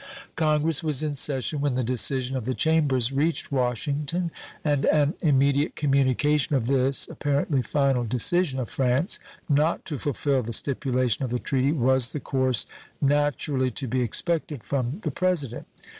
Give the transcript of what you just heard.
Congress was in session when the decision of the Chambers reached Washington, and an immediate communication of this apparently final decision of France not to fulfill the stipulation of the treaty was the course naturally to be expected from the President.